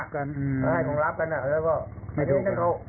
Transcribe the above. ของรับกันมันก็ให้ของรับกันแล้วก็